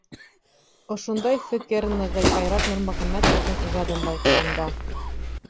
Ошондай фекер нығый Айрат Нурмөхәмәтовтың ижадын байҡағанда.